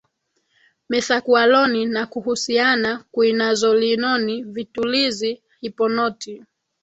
Methakualoni na kuhusiana kuinazolinoni vitulizi hiponoti